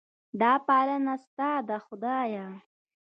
دا پالنه ستا ده خدایه.